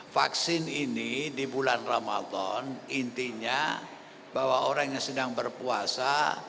vaksin ini di bulan ramadan intinya bahwa orang yang sedang berpuasa